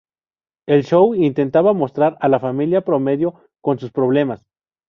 El show intentaba mostrar a la familia "promedio" con sus problemas.